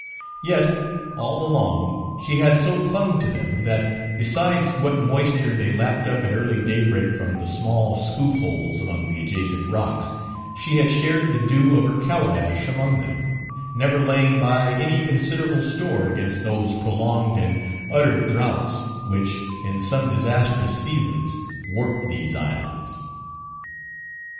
Yet, all along she had so clung to them, that, besides what moisture they lapped up at early daybreak from the small scoop holes among the adjacent rocks, she had shared the dew of her calabash among them; never laying by any considerable store against those prolonged and utter droughts which, in some disastrous seasons, warp these isles.